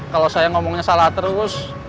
kalau saya ngomongnya salah terus